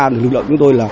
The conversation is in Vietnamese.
lực lượng chúng tôi